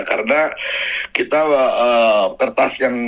karena kita kertas yang